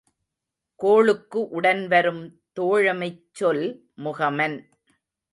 கோளுக்கு உடன் வரும் தோழமைச் சொல் முகமன்.